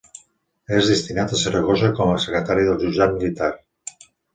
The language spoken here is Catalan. És destinat a Saragossa com a secretari del jutjat militar.